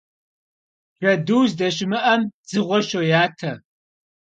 Cedu zdeşımı'em dzığue şoyate.